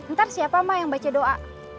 ntar siapa mah yang baca doa